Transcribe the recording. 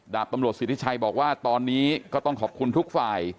ตำรวจสิทธิชัยบอกว่าตอนนี้ก็ต้องขอบคุณทุกฝ่าย